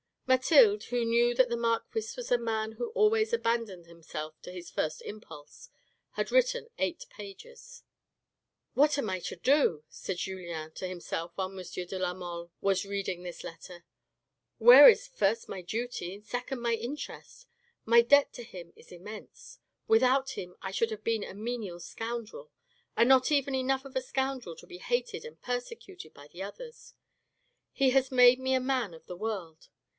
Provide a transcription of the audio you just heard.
..." Mathilde, who knew that the marquis was a man who always abandoned himself to his first impulse, had written eight pages. "What am I to do?" said Julien to himself while M. de la Mole was reading this letter. " Where is (first) my duty ; (second) my interest ? My debt to him is immense. Without him I should have been a menial scoundrel, and not even enough of a scoundrel to be hated and persecuted by the others. He has made me a man of the world.